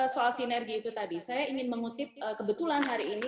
soal sinergi itu tadi saya ingin mengutip kebetulan hari ini